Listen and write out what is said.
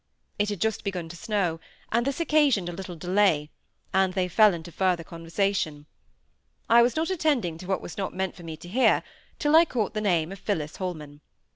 It had just begun to snow, and this occasioned a little delay, and they fell into further conversation. I was not attending to what was not meant for me to hear, till I caught the name of Phillis Holman.